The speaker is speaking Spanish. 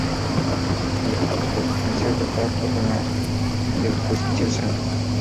A este mismo retablo perteneció otra tabla con la degollación del santo.